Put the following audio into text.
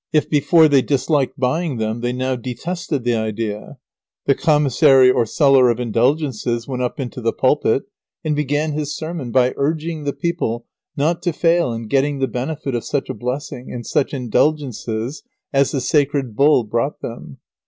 If before they disliked buying them they now detested the idea. [Sidenote: The seller of Indulgences begins his sermon.] The commissary or seller of Indulgences went up into the pulpit, and began his sermon by urging the people not to fail in getting the benefit of such a blessing and such Indulgences as the sacred Bull brought them.